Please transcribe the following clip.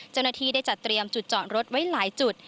เจ้าหน้าที่ได้จัดเตรียมจุดจอดรถไว้หลายจุด